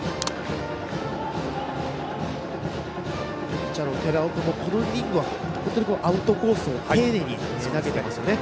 ピッチャーの寺尾君もこのイニングは本当にアウトコースを丁寧に投げていますね。